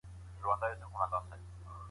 حکومت نړیوال ملاتړ نه هیروي.